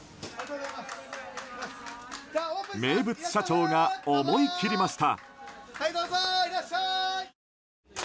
名物社長が、思い切りました。